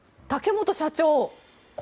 竹本社長